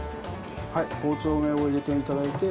はい包丁を入れていただいて。